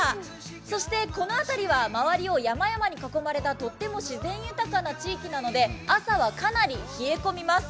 そしてこの辺りは周りを山々に囲まれたとっても自然豊かな地域なので、朝はかなり冷え込みます。